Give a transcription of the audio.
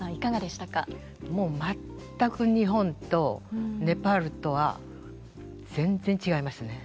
もう全く日本とネパールとは全然違いますね。